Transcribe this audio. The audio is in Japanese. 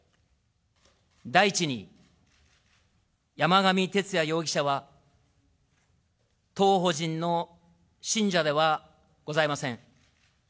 第一に、山上徹也容疑者は当法人の信者ではございません。